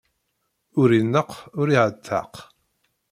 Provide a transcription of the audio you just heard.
Ur ineqq, ur iɛetteq.